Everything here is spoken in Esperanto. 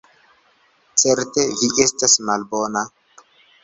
Certe vi estas malbona.